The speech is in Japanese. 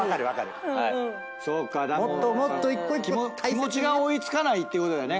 気持ちが追い付かないってことだよね。